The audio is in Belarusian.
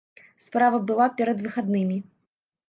Справа была перад выхаднымі.